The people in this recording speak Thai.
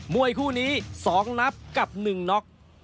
มวยคู่นี้สองนับกับหนึ่งน็อค